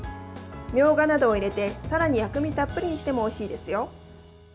みょうがなどを入れてさらに薬味たっぷりにしてもおいしいですよ。